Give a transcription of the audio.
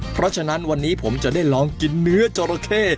เพราะฉะนั้นวันนี้ผมจะได้ลองกินเนื้อจราเข้